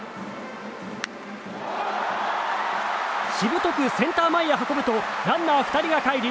しぶとくセンター前へ運ぶとランナー２人がかえり